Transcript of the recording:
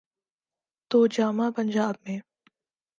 تو جامعہ پنجاب میں۔